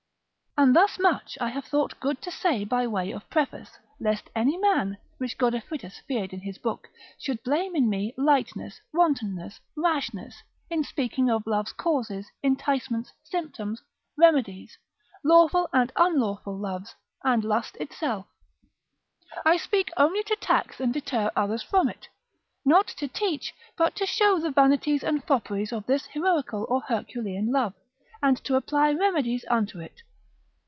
And thus much I have thought good to say by way of preface, lest any man (which Godefridus feared in his book) should blame in me lightness, wantonness, rashness, in speaking of love's causes, enticements, symptoms, remedies, lawful and unlawful loves, and lust itself, I speak it only to tax and deter others from it, not to teach, but to show the vanities and fopperies of this heroical or Herculean love, and to apply remedies unto it.